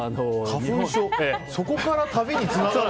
そこから旅につながる？